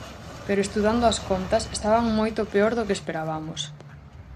Pero estudando as contas, estaban moito peor do que esperabamos.